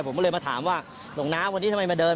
ผมก็เลยมาถามว่าหลวงน้าวันนี้ทำไมมาเดิน